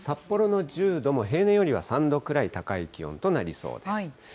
札幌の１０度も平年よりは３度くらい高い気温となりそうです。